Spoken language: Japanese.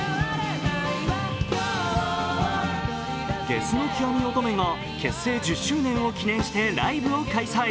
ゲスの極み乙女が結成１０周年を記念してライブを開催。